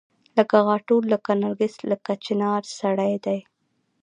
لکه غاټول لکه نرګس لکه چنارسړی دی